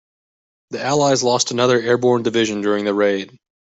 The allies lost another airborne division during the raid.